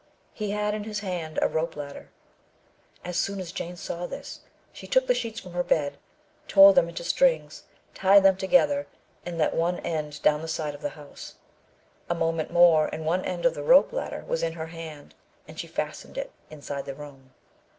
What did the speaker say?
He had in his hand a rope ladder. As soon as Jane saw this, she took the sheets from her bed, tore them into strings, tied them together, and let one end down the side of the house. A moment more, and one end of the rope ladder was in her hand, and she fastened it inside the room.